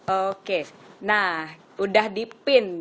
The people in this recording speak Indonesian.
oke nah udah dipin